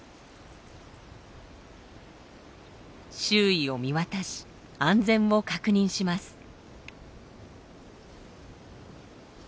周囲を見渡し安全を確認します。